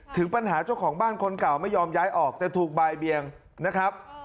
ถึงปัญหาเจ้าของบ้านคนเก่าไม่ยอมย้ายออกแต่ถูกบ่ายเบียงนะครับ